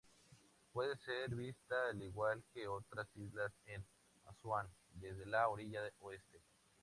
Puede ser vista, al igual que otras islas en Asuán, desde la orilla oeste.